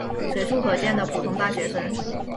随处可见的普通大学生。